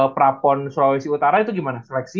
prapon sulawesi utara itu gimana seleksi